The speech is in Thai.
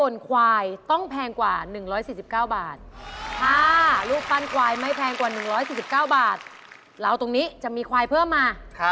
อย่างนั้นพี่เป๊กจะเฉลยม้าไล่ค่ะ